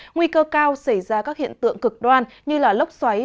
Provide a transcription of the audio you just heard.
nguy cơ cao xảy ra các hiện tượng cực đoan như lốc xoáy